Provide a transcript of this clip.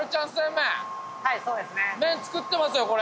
麺作ってますよこれ。